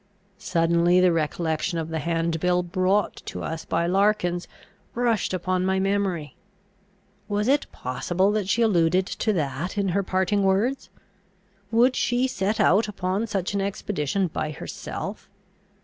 Suddenly the recollection of the hand bill brought to us by Larkins rushed upon my memory. Was it possible that she alluded to that in her parting words? Would she set out upon such an expedition by herself?